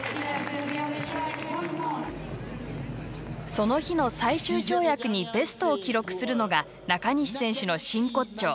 その日の最終跳躍にベストを記録するのが中西選手の真骨頂。